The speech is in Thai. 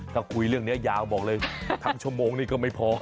ถ้าคุยเรื่องนี้ยาวบอกเลยทั้งชั่วโมงนี่ก็ไม่พอ